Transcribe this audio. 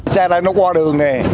xe này nó qua đường nè